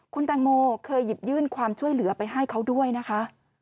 คุณแตงโมเคยหยิบยื่นความช่วยเหลือไปให้เขาด้วยนะคะ